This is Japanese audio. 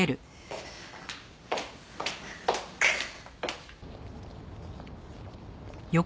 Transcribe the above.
くっ！